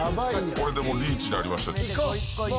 これでリーチになりました。